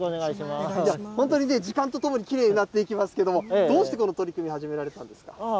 本当にね、時間とともにきれいになっていきますけども、どうしてこの取り組み、始められたんですか。